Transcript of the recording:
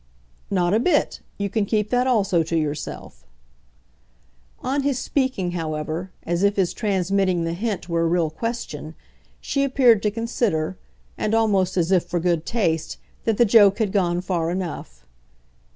"Not a bit. You can keep that also to yourself." On his speaking, however, as if his transmitting the hint were a real question, she appeared to consider and almost as if for good taste that the joke had gone far enough.